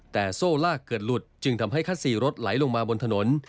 แต่โซ่ลากเกิดหลุดจึงทำให้คัดซีรถไหลลงมาบนถนน